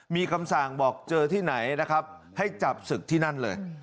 มีคำสั่งบอกเจอที่ไหนนะครับให้จับศึกที่นั่นเลย